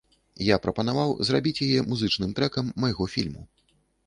Я прапанаваў зрабіць яе музычным трэкам майго фільму.